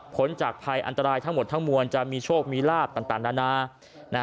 จากภัยอันตรายทั้งหมดทั้งมวลจะมีโชคมีลาบต่างนานา